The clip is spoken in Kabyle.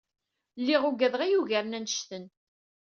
Lliɣ ugadeɣ i yugaren annect-en